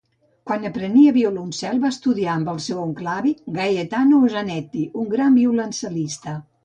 Quan aprenia violoncel, va estudiar amb el seu oncle avi, Gaetano Zanetti, un gran violoncel·lista.